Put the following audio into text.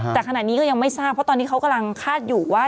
แต่ขณะนี้ก็ยังไม่ทราบเพราะตอนนี้เขากำลังคาดอยู่ว่า